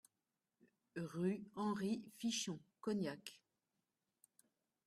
Rue Henri Fichon, Cognac